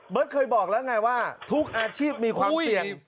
เคยบอกแล้วไงว่าทุกอาชีพมีความเสี่ยง